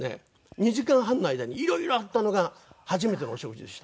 ２時間半の間にいろいろあったのが初めてのお食事でした。